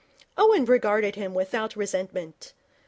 Owen regarded him without resentment.